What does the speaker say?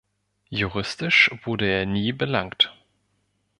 Juristisch wurde er nie belangt.